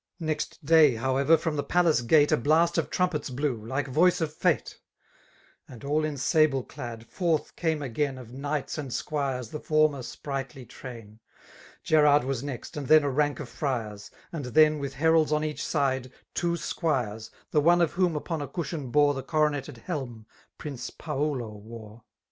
Next day> however^ from the palace gate A blast of trumpets blew, like voice of fate; And all in sable clad> forth came again ^ Of knights and squires the former ^rightly train } Gerard was ncEit^ and then a rank of friars ; And then, with, heralds on ^tch side, two squires^' The one of whom upon a cnshioar bori^ ' The corcmetod helm Prince Paulo wore.